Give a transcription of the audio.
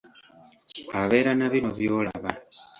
Abeera na bino by'olaba.